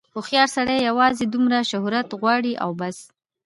هوښیار سړی یوازې دومره شهرت غواړي او بس.